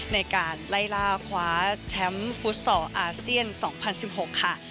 ในการไล่ล่าคว้าแชมพุทธศาสตร์อาเซียน๒๐๑๖ค่ะ